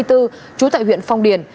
trú tại huyện phong điền